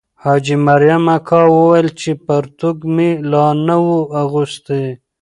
حاجي مریم اکا وویل چې پرتوګ مې لا نه وو اغوستی.